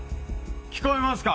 聞こえますか？